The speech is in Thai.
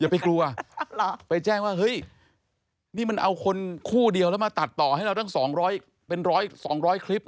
อย่าไปกลัวไปแจ้งว่านี่มันเอาคนคู่เดียวแล้วมาตัดต่อให้เราเป็น๒๐๐คลิป